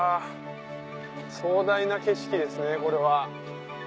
壮大な景色ですねこれは。